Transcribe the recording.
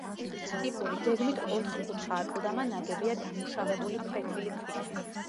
ტიპური, გეგმით ოთხკუთხა აკლდამა ნაგებია დამუშავებული ფლეთილი ქვით.